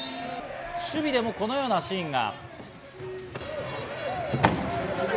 守備でもこのようなシーンが。